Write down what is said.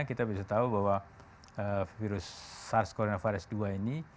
kita bisa tahu bahwa virus sars cov dua ini